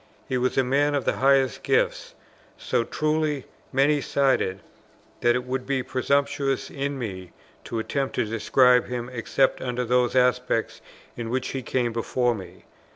He was a man of the highest gifts, so truly many sided, that it would be presumptuous in me to attempt to describe him, except under those aspects in which he came before me.